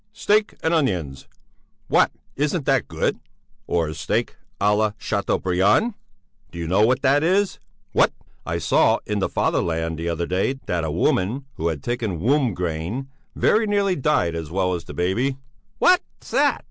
Steak and onions! What! Isn't that good? Or steak à la Châteaubriand! Do you know what that is? What? I saw in the 'Fatherland' the other day that a woman who had taken womb grain very nearly died as well as the baby." "What's that?"